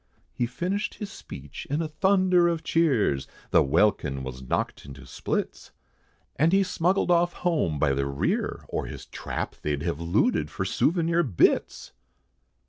He finished his speech in a thunder of cheers, The welkin was knocked into splits, And he smuggled off home, by the rear, or his trap, They'd have looted for souvenir bits!